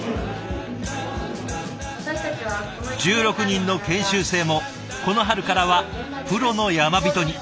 １６人の研修生もこの春からはプロの山人に。